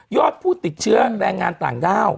ผู้ติดเชื้อแรงงานต่างด้าว